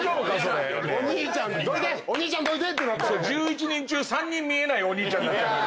１１人中３人見えないお兄ちゃんになっちゃうけど。